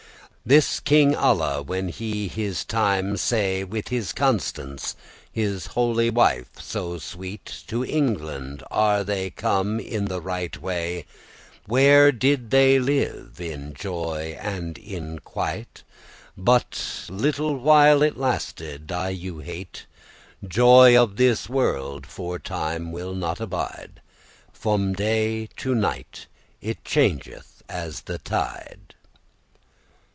This King Alla, when he his time sey,* *saw With his Constance, his holy wife so sweet, To England are they come the righte way, Where they did live in joy and in quiet. But little while it lasted, I you hete,* *promise Joy of this world for time will not abide, From day to night it changeth as the tide.